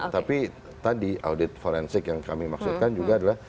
tapi tadi audit forensik yang kami maksudkan juga adalah